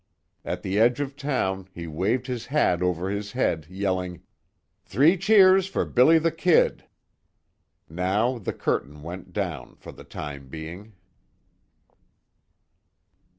At the edge of town he waved his hat over his head, yelling: "Three cheers for Billy the Kid!" Now the curtain went down, for the time being.